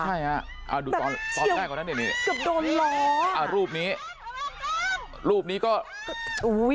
ใช่ฮะอ่าดูตอนตอนแรกกว่านั้นเนี่ยนี่เกือบโดนล้ออ่ารูปนี้รูปนี้ก็อุ้ย